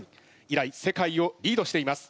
以来世界をリードしています。